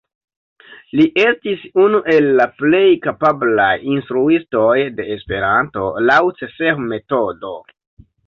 Li estis unu el la plej kapablaj instruistoj de Esperanto laŭ Cseh-metodo.